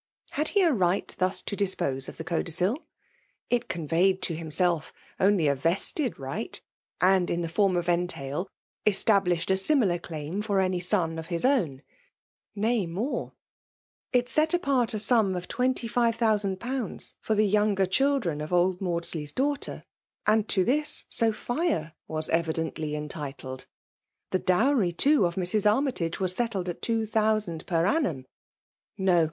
HtA he a right thas to (JiqpOee of the codicil ? It con vey^ to htraself only a vested right ; and, in iiie ibrm of entail, established a similar claim tarumj son of his own, ^nay» more ; it set apart a Bom of 2SjOOO/. for the younger children of old'Mandsley^s daughter ; and to this, Sophia was evidently entitled. The dowry, too, of Mrs. Annytage was settled at two thousand per annum. No!